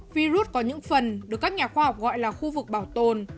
virus có những phần được các nhà khoa học gọi là khu vực bảo tồn